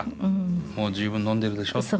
もう十分飲んでいるでしょうと。